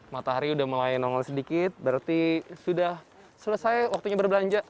matahari udah mulai nonol sedikit berarti sudah selesai waktunya berbelanja